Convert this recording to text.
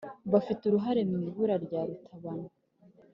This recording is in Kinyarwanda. bafite uruhare mu ibura rya rutabana